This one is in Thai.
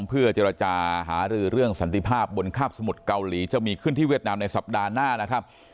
เพื่อเจรจาหารือเรื่องสันติภาพบนคาบสมุทรเกาหลีจะมีขึ้นที่เวียดนามในสัปดาห์หน้านะครับ